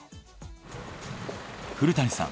古谷さん